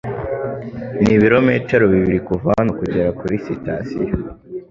Nibirometero bibiri kuva hano kugera kuri sitasiyo .